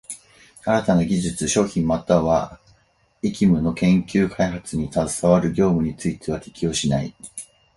新たな技術、商品又は役務の研究開発に係る業務については適用しない。